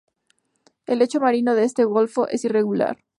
El lecho marino de este golfo es irregular.